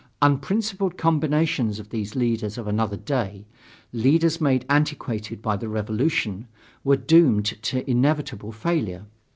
Unprincipled combinations of these leaders of another day leaders made antiquated by the revolution were doomed to inevitable failure.